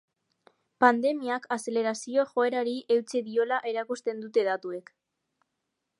Pandemiak azelerazio joerari eutsi diola erakusten dute datuek.